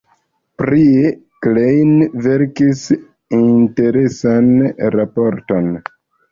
Prie Klein verkis interesan raporton.